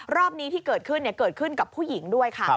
รอบนี้ที่เกิดขึ้นเกิดขึ้นกับผู้หญิงด้วยค่ะ